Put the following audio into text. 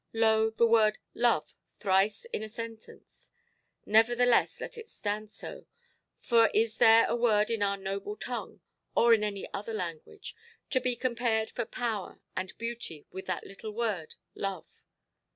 Lo, the word "love" thrice in a sentence—nevertheless, let it stand so. For is there a word in our noble tongue, or in any other language, to be compared for power and beauty with that little word "love"?